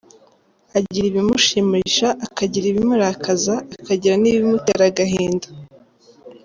Agira ibimushimisha akagira ibimurakaza akagira n’ibimutera agahinda.